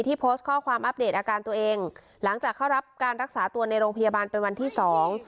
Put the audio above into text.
โพสต์ข้อความอัปเดตอาการตัวเองหลังจากเข้ารับการรักษาตัวในโรงพยาบาลเป็นวันที่สอง